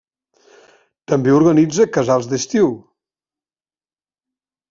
També organitza casals d'estiu.